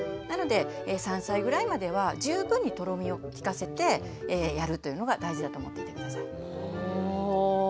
なので３歳ぐらいまでは十分にとろみを効かせてやるというのが大事だと思っていて下さい。